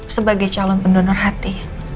sebagai calon pendonor hati